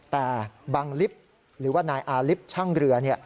แต่บังลิฟต์หรือว่านายอาลิฟต์ช่างเรือ